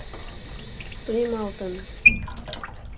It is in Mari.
Тунемалтын.